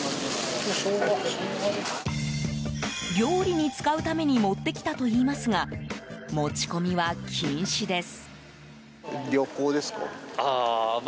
料理に使うために持ってきたといいますが持ち込みは禁止です。